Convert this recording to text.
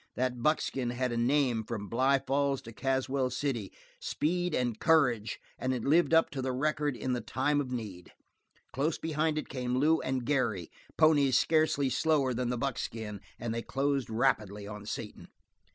That buckskin had a name from Bly Falls to Caswell City between speed and courage, and it lived up to the record in the time of need. Close behind it came Lew and Garry ponies scarcely slower than the buckskin, and they closed rapidly on Satan.